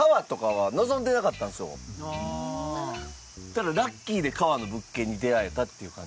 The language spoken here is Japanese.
ただラッキーで川の物件に出会えたっていう感じ。